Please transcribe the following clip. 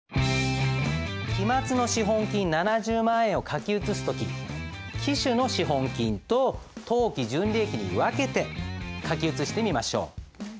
期末の資本金７０万円を書き写す時期首の資本金と当期純利益に分けて書き写してみましょう。